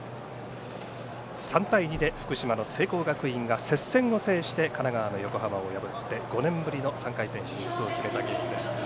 ３対２で福島の聖光学院が接戦を制して神奈川の横浜を破って５年ぶりの３回戦進出を決めたゲームです。